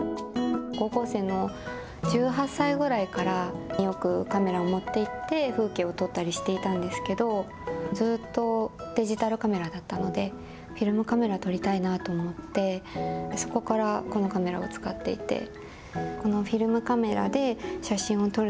高校生の１８歳ぐらいから、よくカメラを持っていって、風景を撮ったりしていたんですけど、ずっとデジタルカメラだったので、フィルムカメラ撮りたいなと思って、そこからこのカメラを使っていて。